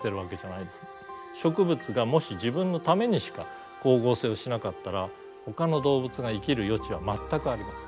植物がもし自分のためにしか光合成をしなかったらほかの動物が生きる余地は全くありません。